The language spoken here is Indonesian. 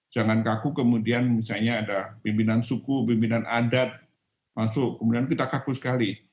jangan kaku kemudian misalnya ada pimpinan suku pimpinan adat masuk kemudian kita kaku sekali